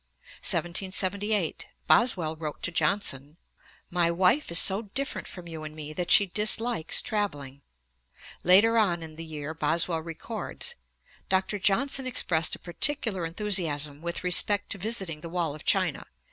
1778. Boswell wrote to Johnson: 'My wife is so different from you and me that she dislikes travelling.' Ante, iii. 219. Later on in the year Boswell records: 'Dr. Johnson expressed a particular enthusiasm with respect to visiting the wall of China.